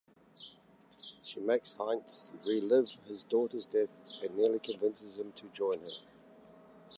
She makes Heintz relive his daughter's death and nearly convinces him to join her.